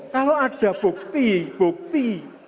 kalau ada bukti bukti